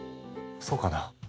そうかな。